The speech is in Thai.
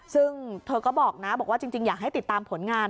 ซึ่งเธอก็บอกนะบอกว่าจริงอยากให้ติดตามผลงาน